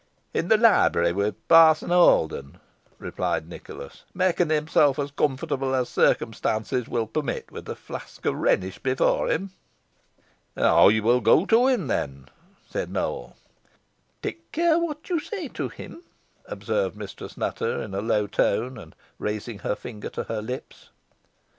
"In the library with Parson Holden," replied Nicholas; "making himself as comfortable as circumstances will permit, with a flask of Rhenish before him." "I will go to him, then," said Nowell. "Take care what you say to him," observed Mistress Nutter, in a low tone, and raising her finger to her lips.